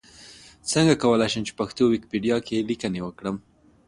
څنګه کولی شم چې پښتو ويکيپېډيا کې ليکنې وکړم؟